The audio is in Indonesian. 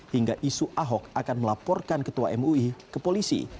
hingga isu ahok akan melaporkan ketua mui ke polisi